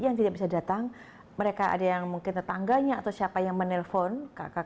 yang tidak bisa datang mereka ada yang mungkin tetangganya atau siapa yang menelpon ke kami kami akan jemput